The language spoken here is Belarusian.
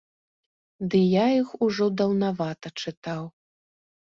Ды я іх ужо даўнавата чытаў.